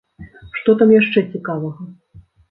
Што там яшчэ цікавага?